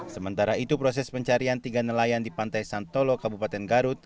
sementara itu proses pencarian tiga nelayan di pantai santolo kabupaten garut